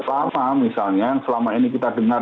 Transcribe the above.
yang lama misalnya selama ini kita dengar